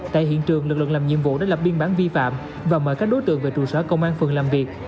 tại hiện trường lực lượng làm nhiệm vụ đã lập biên bản vi phạm và mời các đối tượng về trụ sở công an phường làm việc